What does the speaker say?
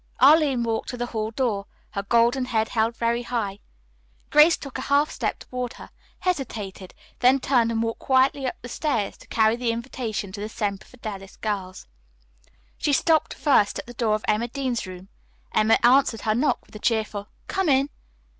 Arline walked to the hall door, her golden head held very high. Grace took a half step toward her, hesitated, then turned and walked quietly up the stairs to carry the invitation to the Semper Fidelis girls. She stopped first at the door of Emma Dean's room. Emma answered her knock with a cheerful "Come in."